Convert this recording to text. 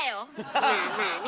まあまあね。